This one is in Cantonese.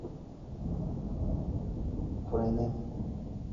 蒸蛋呢要好食一定要加兩杯水蒸，咁就最滑最好味喇